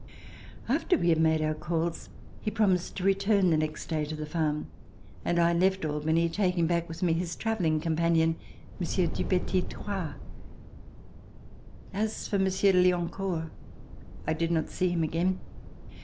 After we had made our calls, he promised to return the next day to the farm, and I left Albany, taking back with me his travelling companion. Monsieur Dupetit Thouars. As for Monsieur de Liancourt, I did not see him again.